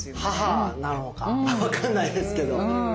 母なのか分かんないですけど。